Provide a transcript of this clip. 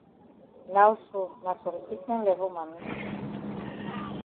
Now so na some different level mami.